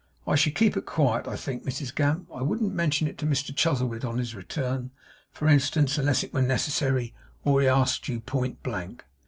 I should keep it quiet, I think, Mrs Gamp. I wouldn't mention it to Mr Chuzzlewit on his return, for instance, unless it were necessary, or he asked you pointblank.